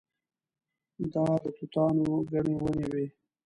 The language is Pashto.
دا د توتانو ګڼې ونې وې.